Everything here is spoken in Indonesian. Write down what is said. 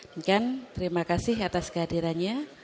demikian terima kasih atas kehadirannya